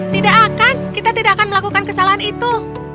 tidak akan kita tidak akan melakukan kesalahan itu